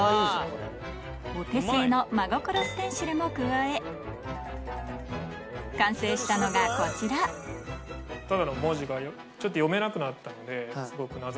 お手製の「まごころ」ステンシルも加え完成したのがこちらただの文字が読めなくなったので。